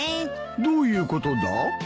どういうことだ？